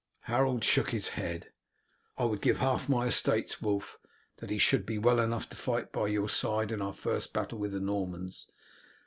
Harold shook his head. "I would give half my estates, Wulf, that he should be well enough to fight by your side in our first battle with the Normans.